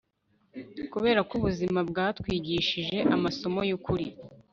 kuberako ubuzima bwatwigishije amasomo yukuri